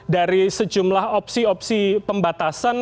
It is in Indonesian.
dari sejumlah opsi opsi pembatasan